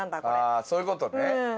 ああそういう事ね。